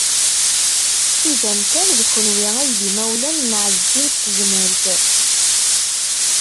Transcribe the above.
Iban kan d kenwi ay d imawlan n Ɛezdin n Tezmalt.